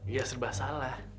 ya serba salah